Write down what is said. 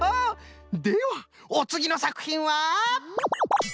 ではおつぎのさくひんは？